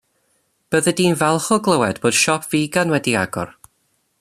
Byddi di'n falch i glywed bod siop figan wedi agor.